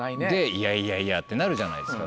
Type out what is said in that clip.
いやいやいやってなるじゃないですか。